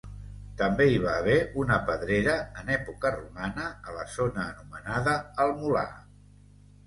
També hi va haver una pedrera en època romana a la zona anomenada el Molar.